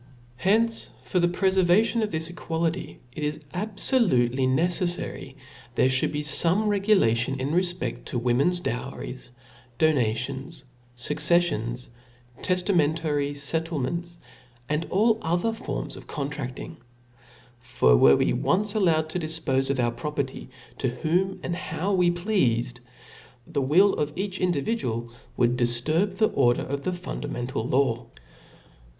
Hence, for the prefer vation of tfiis equality, it is abfolutely neceflary there ftiould be fome regulation in refpcft to women's dowries, donations, fuc ceffions, teftamentary fettlements, and all other forms of contrafting. For were it once allowed to difpofe of our property to whom and how we pleafed, the will of each individual would difturb the order of the fundamental law.